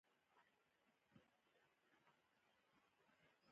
د پلاستیکي لوښو کوچنۍ فابریکې په بلخ کې فعالې دي.